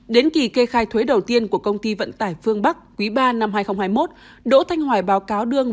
đến kỳ kê khai thuế đầu tiên của công ty vận tải phương bắc quý ba năm hai nghìn hai mươi một đỗ thanh hoài báo cáo đưa